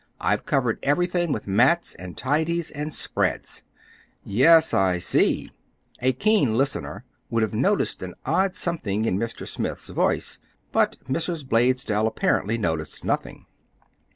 I've covered everything with mats and tidies and spreads." "Yes, I see." A keen listener would have noticed an odd something in Mr. Smith's voice; but Mrs. Blaisdell apparently noticed nothing.